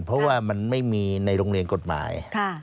เพราะว่ามันไม่มีในโรงเรียนกฎหมาย